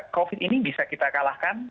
covid ini bisa kita kalahkan